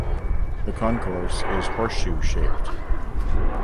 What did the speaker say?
The concourse is horseshoe-shaped.